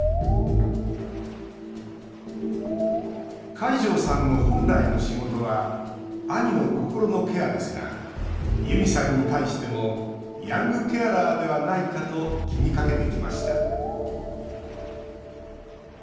海上さんの本来の仕事は兄の心のケアですがユミさんに対してもヤングケアラーではないかと気にかけてきました。